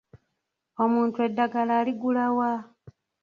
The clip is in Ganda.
Omuntu eddagala aligula wa?